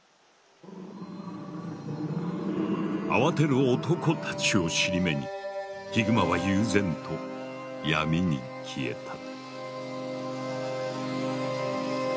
慌てる男たちを尻目にヒグマは悠然と闇に消えた。